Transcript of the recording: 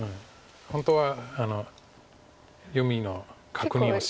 本当は読みの確認をしないと。